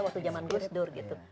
waktu zaman gus dur gitu